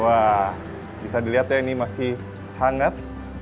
wah bisa dilihat ya ini masih hangat